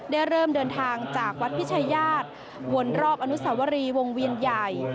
ได้เริ่มเดินทางจากวัดพิชายาทวนรอบอนุสาวรีวงเวียนใหญ่